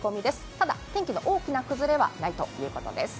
ただ天気の大きな崩れはないということです。